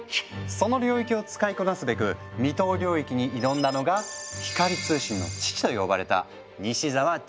その領域を使いこなすべく未踏領域に挑んだのが「光通信の父」と呼ばれた西澤潤一さん。